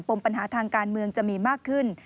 มปัญหาทางการเมืองจะมีมากขึ้น